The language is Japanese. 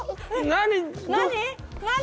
何？